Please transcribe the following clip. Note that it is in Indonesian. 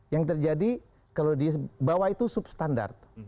yang terjadi kalau di bawah itu substandard